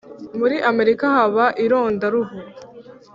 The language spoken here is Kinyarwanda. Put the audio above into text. muri amerika haba irondaruhu